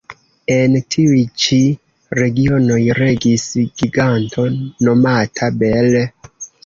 En tiuj ĉi regionoj regis giganto nomata Bel.